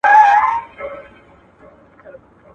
نور یې نه کول د مړو توهینونه.